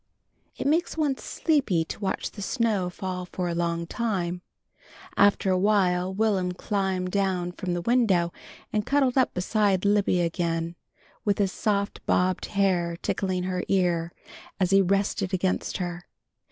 It makes one sleepy to watch the snow fall for a long time. After awhile Will'm climbed down from the window and cuddled up beside Libby again, with his soft bobbed hair tickling her ear, as he rested against her.